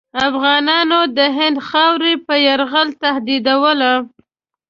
افغانانو د هند خاوره په یرغل تهدیدوله.